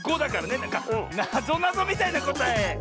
なんかなぞなぞみたいなこたえ！